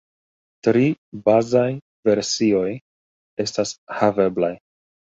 Tri bazaj versioj estas haveblaj.